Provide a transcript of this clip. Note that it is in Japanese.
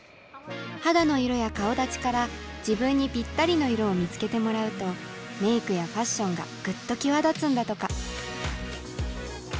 肌の色や顔だちから自分にぴったりの色を見つけてもらうとメークやファッションがぐっと際立つんだとか。